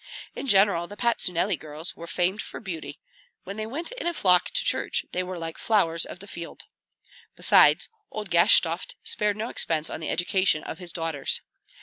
In general the Patsuneli girls were famed for beauty; when they went in a flock to church, they were like flowers of the field. Besides, old Gashtovt spared no expense on the education of his daughters.